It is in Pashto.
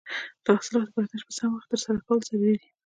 د حاصلاتو برداشت په سم وخت ترسره کول ضروري دي.